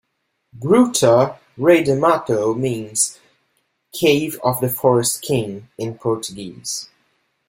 Gruta Rei do Mato means "Cave of the Forest King" in Portuguese.